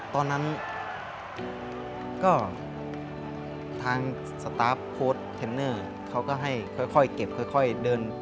ตอนนั้นก็ทางสตาร์ฟโค้ดเทนเนอร์เขาก็ให้ค่อยเก็บค่อยเดิน